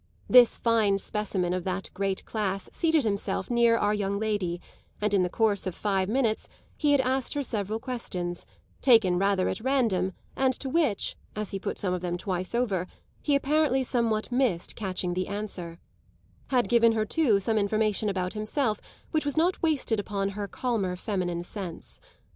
This fine specimen of that great class seated himself near our young lady, and in the course of five minutes he had asked her several questions, taken rather at random and to which, as he put some of them twice over, he apparently somewhat missed catching the answer; had given her too some information about himself which was not wasted upon her calmer feminine sense.